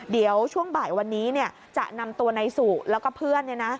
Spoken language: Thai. เดี๋ยวช่วงบ่ายวันนี้จะนำตัวนายสุแล้วก็เพื่อน